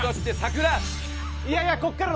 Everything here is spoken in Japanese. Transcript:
いやいやここからの。